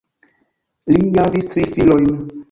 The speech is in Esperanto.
Li javis tri filojn.